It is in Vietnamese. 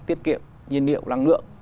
tiết kiệm nhiên liệu năng lượng